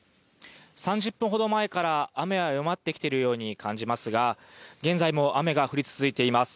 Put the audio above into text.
３０分ほど前から雨は弱まってきているように感じますが現在も雨が降り続いています。